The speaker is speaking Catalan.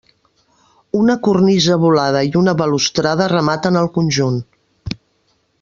Una cornisa volada i una balustrada rematen el conjunt.